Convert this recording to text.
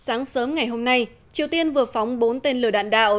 từ sáng sớm ngày hôm nay triều tiên vừa phóng bốn tên lửa đàn đạo